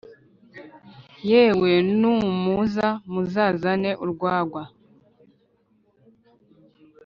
yewe numuza muzazane urwagwa